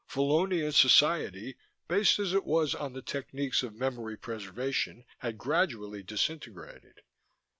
Vallonian society, based as it was on the techniques of memory preservation, had gradually disintegrated.